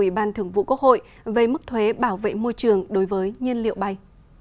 ủy ban thường vụ quốc hội về mức thuế bảo vệ môi trường đối với nhiên liệu bay